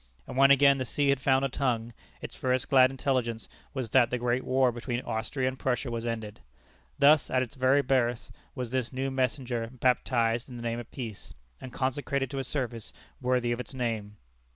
And when again the sea had found a tongue, its first glad intelligence was that the great war between Austria and Prussia was ended. Thus at its very birth was this new messenger baptized in the name of Peace, and consecrated to a service worthy of its name.